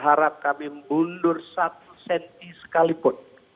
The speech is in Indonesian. harap kami mundur satu senti sekalipun